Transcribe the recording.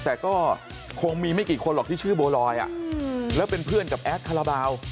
แต่ก็คงมีไม่กี่คนหรอกที่ชื่อบัวลอยแล้วเป็นเพื่อนกับแอดคาราบาล